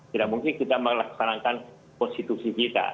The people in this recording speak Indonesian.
tidak mungkin kita melaksanakan konstitusi kita